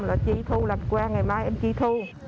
là chi thu làm qua ngày mai em chi thu